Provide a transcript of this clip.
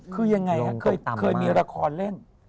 คือยังไงฮะเคยมีละครเล่น